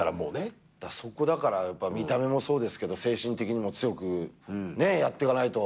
だから見た目もそうですけど精神的にも強くやってかないと。